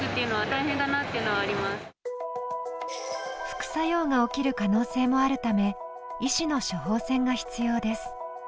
副作用が起きる可能性もあるため医師の処方箋が必要です。